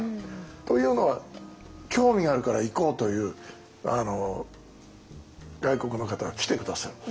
というのは興味があるから行こうという外国の方が来て下さる。